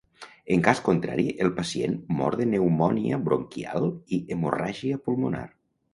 En cas contrari, el pacient mor de pneumònia bronquial i hemorràgia pulmonar.